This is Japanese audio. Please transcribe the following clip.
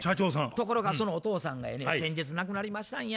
ところがそのお父さんがやね先日亡くなりましたんや。